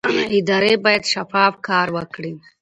ادارې باید شفاف کار وکړي